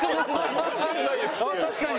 確かに。